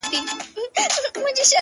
• خو د ښکار یې په هیڅ وخت کي نسته ګټه,